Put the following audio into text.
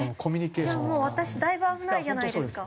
じゃあもう私だいぶ危ないじゃないですか。